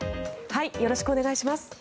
よろしくお願いします。